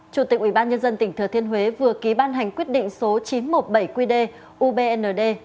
chủ tịch ubnd tỉnh thừa thiên huế vừa ký ban hành quyết định số chín trăm một mươi bảy qd ubnd